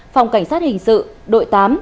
phòng cảnh sát hình sự đội tám